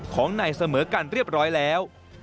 ของนายเสมอกันเรียบร้อยแล้ว